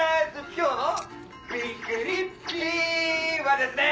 今日のびっくりッピーはですね